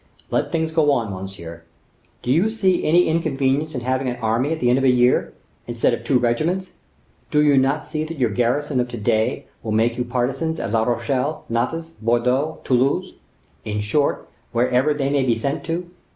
Let things go on, monsieur. Do you see any inconvenience in having an army at the end of a year, instead of two regiments? Do you not see that your garrison of to day will make you partisans at La Rochelle, Nantes, Bordeaux, Toulouse—in short, wherever they may be sent to?